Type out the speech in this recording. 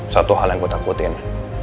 satu hal yang gue takutin